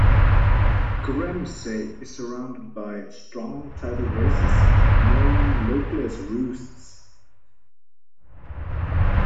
Graemsay is surrounded by strong tidal races, known locally as "roosts".